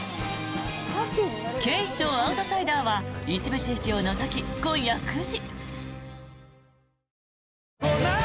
「警視庁アウトサイダー」は一部地域を除き、今夜９時。